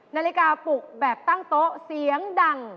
นาฬิกาปลุกแบบตั้งโต๊ะเสียงดัง